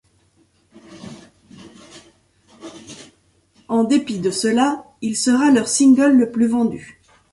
En dépit de cela, il sera leur single le plus vendu.